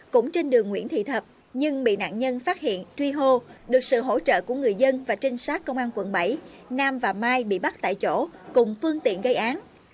cũng trên đường nguyễn thị thập nhưng bị nạn nhân phát hiện truy hô được sự hỗ trợ của người dân và trinh sát công an quận bảy nam và mai bị bắt tại chỗ cùng phương tiện gây án